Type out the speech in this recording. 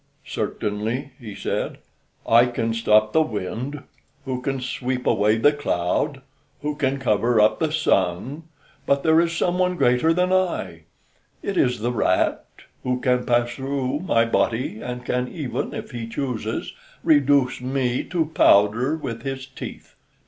"Certainly," he said, "I can stop the wind, who can sweep away the cloud, who can cover up the Sun, but there is some one greater than I: it is the rat, who can pass through my body, and can even, if he chooses, reduce me to powder with his teeth.